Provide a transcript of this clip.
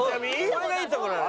これがいいとこなのよ。